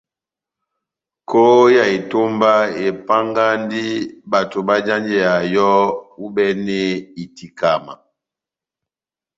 Kɔhɔ ya etómba epángandi bato bajanjeya yɔ́ ohibɛnɛ itikama.